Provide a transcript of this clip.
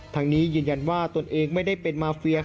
ทางนี้ยืนยันว่าตนเองไม่ได้เป็นมาเฟีย